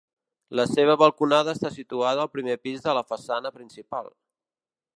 La seva balconada està situada al primer pis a la façana principal.